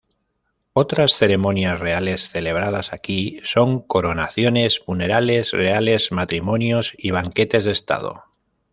Otras ceremonias reales celebradas aquí son coronaciones, funerales reales, matrimonios y banquetes de estado.